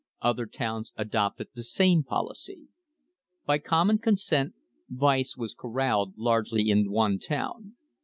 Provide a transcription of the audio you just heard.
Other towns adopted the same policy. By common consent vice was corralled largely in one town.